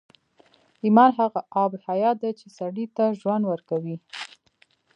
ايمان هغه آب حيات دی چې سړي ته ژوند ورکوي.